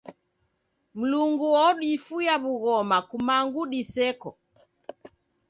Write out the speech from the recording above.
Mlungu odifuya w'ughoma kumangu diseko.